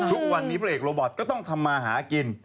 ทุกวันนี้พระเอกโรบอตก็ต้องทำมาหากิน